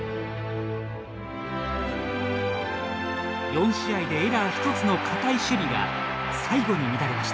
４試合でエラー１つの堅い守備が最後に乱れました。